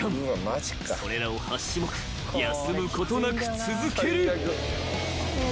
［それらを８種目休むことなく続ける］